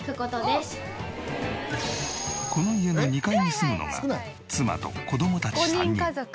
この家の２階に住むのが妻と子どもたち３人。